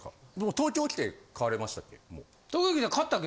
東京来て買われましたっけ？